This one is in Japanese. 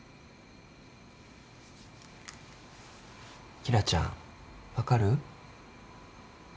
紀來ちゃん分かる？